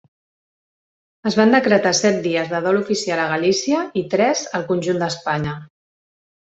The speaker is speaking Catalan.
Es van decretar set dies de dol oficial a Galícia i tres, al conjunt d'Espanya.